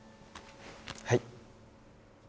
はい。